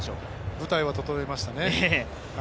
舞台は整いましたね。